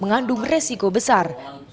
mengandung resiko besar